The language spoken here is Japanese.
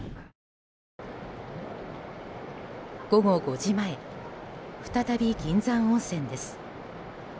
午後５時前再び銀山温泉です。